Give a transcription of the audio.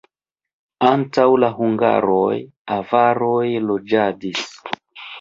Antaŭ la hungaroj avaroj loĝadis.